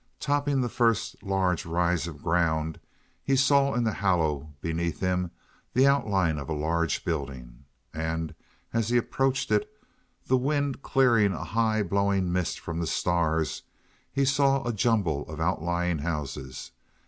Topping the first large rise of ground, he saw in the hollow beneath him the outline of a large building. And as he approached it, the wind clearing a high blowing mist from the stars, he saw a jumble of outlying houses.